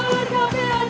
dari jawa tenggara